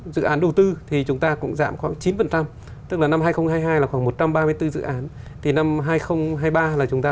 dự án đầu tư thì chúng ta cũng giảm khoảng chín tức là năm hai nghìn hai mươi hai là khoảng một trăm ba mươi bốn dự án thì năm hai nghìn hai mươi ba là chúng ta